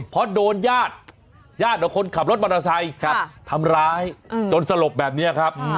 เพราะโดนญาติญาติของคนขับรถมอเตอร์ไซค์ทำร้ายจนสลบแบบนี้ครับ